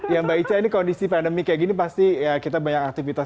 ya mbak ica ini kondisi pandemi kayak gini pasti ya kita banyak aktivitas